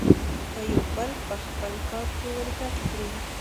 که يو بل په خپل کار کې ورګډ کړي.